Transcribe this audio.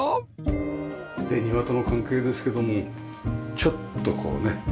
で庭との関係ですけどもちょっとこうね